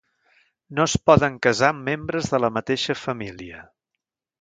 No es poden casar amb membres de la mateixa família.